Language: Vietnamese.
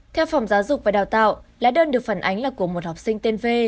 theo phòng giáo dục và đào tạo lá đơn được phản ánh là của một học sinh tên v